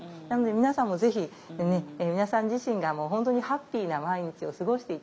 なので皆さんもぜひ皆さん自身が本当にハッピーな毎日を過ごして頂きたい。